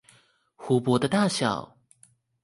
湖泊的大小